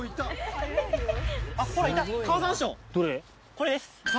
これです。